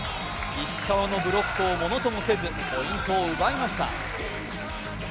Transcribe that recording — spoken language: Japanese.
石川のブロックをものともせずポイントを奪いました。